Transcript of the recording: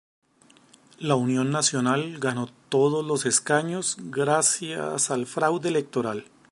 La Union Nacional ganó todos los escaños gracias al fraude electoral.